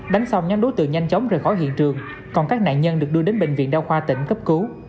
đối tượng nhanh chóng rời khỏi hiện trường còn các nạn nhân được đưa đến bệnh viện đao khoa tỉnh cấp cứu